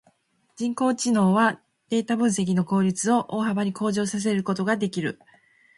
人工知能はデータ分析の効率を大幅に向上させることができる。